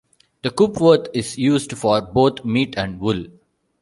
The Coopworth is used for both meat and wool.